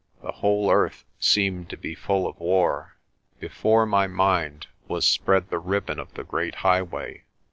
The whole earth seemed to be full of war. Before my mind was spread the ribbon of the great highway.